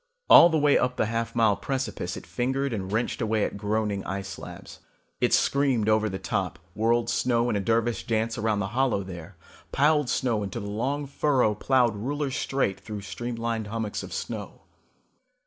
All the way up the half mile precipice it fingered and wrenched away at groaning ice slabs. It screamed over the top, whirled snow in a dervish dance around the hollow there, piled snow into the long furrow plowed ruler straight through streamlined hummocks of snow.